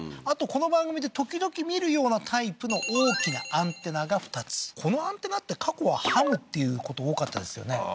あとこの番組で時々見るようなタイプの大きなアンテナが２つこのアンテナって過去はＨＡＭっていうこと多かったですよね